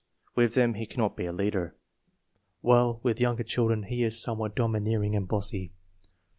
With them he cannot be a leader, while with younger children he is somewhat domineering and bossy.